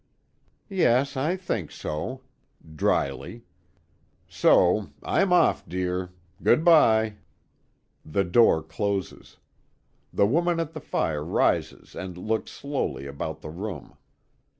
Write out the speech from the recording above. "Yes. I think so," drily. "So I'm off, dear. Good bye." The door closes. The woman at the fire rises and looks slowly about the room.